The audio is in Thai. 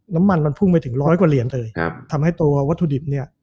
น้ำมันมันพุ่งไปถึงร้อยกว่าเหรียญเลยครับทำให้ตัววัตถุดิบเนี่ย